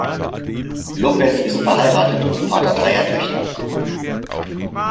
López ist verheiratet und Vater dreier Töchter.